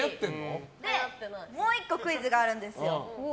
もう１個クイズがあるんですよ。